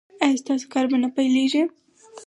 ایا ستاسو کار به نه پیلیږي؟